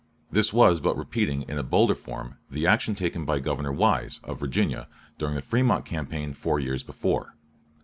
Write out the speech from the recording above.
This was but repeating in a bolder form the action taken by Governor Wise, of Virginia, during the Frémont campaign four years before.